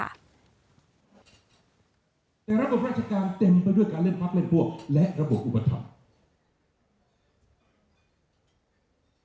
ระบบราชการเต็มไปด้วยการเล่นพักเล่นพวกและระบบอุปถัมภ์